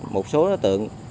một số đối tượng